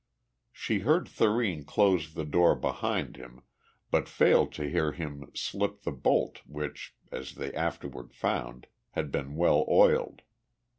She heard Thurene close the door behind him, but failed to hear him slip the bolt which, as they afterward found, had been well oiled.